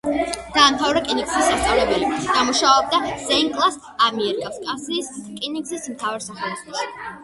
დაამთავრა რკინიგზის სასწავლებელი და მუშაობდა ზეინკლად ამიერკავკასიის რკინიგზის მთავარ სახელოსნოში.